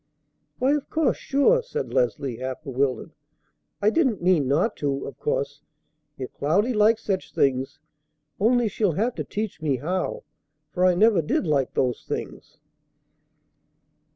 "Why, of course! Sure!" said Leslie, half bewildered. "I didn't mean not to, of course, if Cloudy likes such things; only she'll have to teach me how, for I never did like those things."